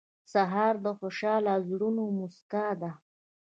سهار د خوشحال زړونو موسکا ده.